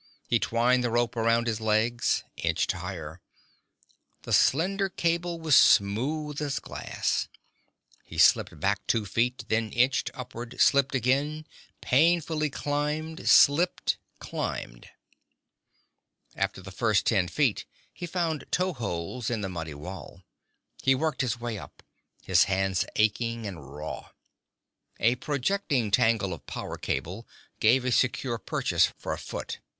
He twined the rope around his legs, inched higher. The slender cable was smooth as glass. He slipped back two feet, then inched upward, slipped again, painfully climbed, slipped, climbed. After the first ten feet he found toe holds in the muddy wall. He worked his way up, his hands aching and raw. A projecting tangle of power cable gave a secure purchase for a foot.